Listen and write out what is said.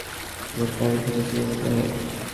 এমন কাহিনি শুধু সিনেমাতে হয়।